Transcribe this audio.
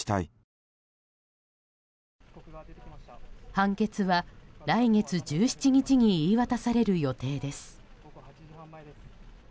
判決は来月１７日に言い渡される予定です。